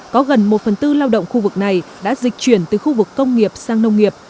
có gần một phần tư lao động khu vực này đã dịch chuyển từ khu vực công nghiệp sang nông nghiệp